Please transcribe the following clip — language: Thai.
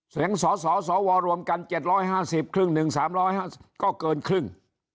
เสียงสวสวรวมกันเจ็ดร้อยห้าสิบครึ่งหนึ่งสามร้อยก็เกินครึ่ง